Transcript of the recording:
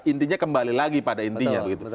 pada intinya kembali lagi pada intinya